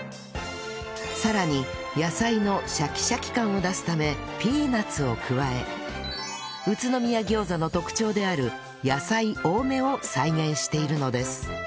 さらに野菜のシャキシャキ感を出すためピーナツを加え宇都宮餃子の特徴である野菜多めを再現しているのです